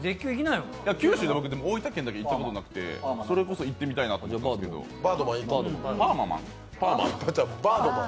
九州で僕大分県だけ行ったことなくてそれこそ行ってみたいなと思います、バードマン。